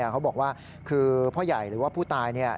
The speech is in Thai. เขาบอกว่าพ่อใหญ่หรือว่าผู้ตาย